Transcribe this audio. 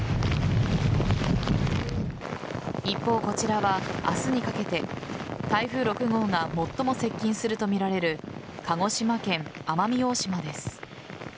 一方、こちらは明日にかけて台風６号が最も接近するとみられる鹿児島県奄美大島です。